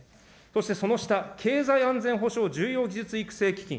そして、その下、経済安全保障重要技術育成基金。